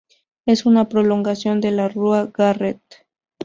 Es una prolongación de la rua Garrett.